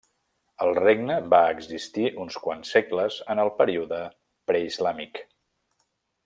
El regne va existir uns quants segles en el període preislàmic.